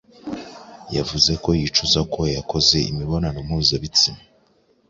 yavuze ko yicuza kuba yarakoze imibonano mpuzabitsina